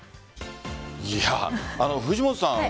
藤本さん